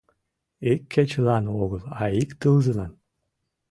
Ик кечылан огыл, а ик тылзылан.